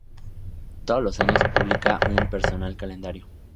Todos los años publica un personal calendario.